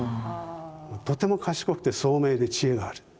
とても賢くて聡明で知恵がある。